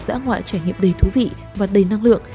dã ngoại trải nghiệm đầy thú vị và đầy năng lượng